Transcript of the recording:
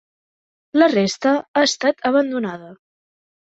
La resta ha estat abandonada.